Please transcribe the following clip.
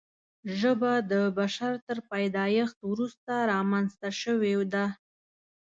ژبه د بشر تر پیدایښت وروسته رامنځته شوې ده.